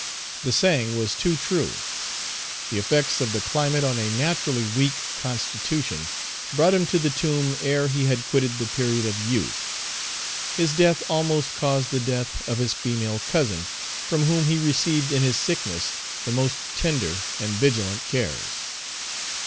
The saying was too true. The effects of the climate on a naturally weak constitution brought him to the tomb ere he had quitted the period of youth. His death almost caused the death of his female cousin, from whom he received in his sickness the most tender and vigilant cares.